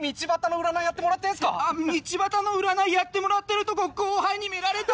あっ道端の占いやってもらってるとこ後輩に見られた！